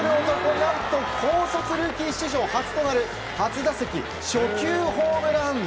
何と高卒ルーキー史上初となる初打席初球ホームラン！